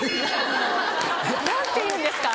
何ていうんですか？